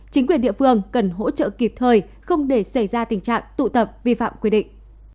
chính quyền địa phương cần hỗ trợ kịp thời không để xảy ra tình trạng tụ tập vi phạm quy định